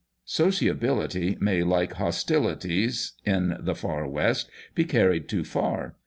Sociability may, like hostilities, in the Far West, be carried too far.